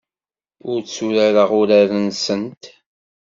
Ur tturareɣ urar-nsent.